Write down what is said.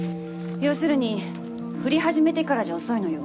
要するに降り始めてからじゃ遅いのよ。